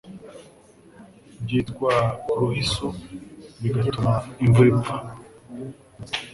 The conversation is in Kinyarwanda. Byitwa Uruhiso bigatuma imvura ipfa